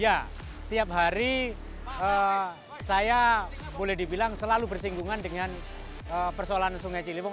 ya setiap hari saya boleh dibilang selalu bersinggungan dengan persoalan sungai ciliwung